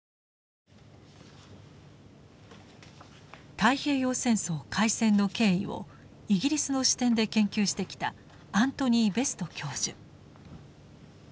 太平洋戦争開戦の経緯をイギリスの視点で研究してきたアントニー・ベスト教授。